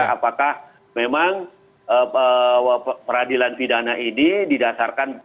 apakah memang peradilan pidana ini didasarkan